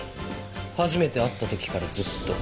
初めて会った時からずっと。